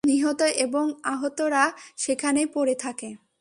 নিহত এবং আহতরা সেখানেই পড়ে থাকে।